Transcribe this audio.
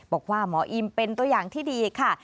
บอกว่าหมออิมเป็นตัวอย่างที่ดีค่ะ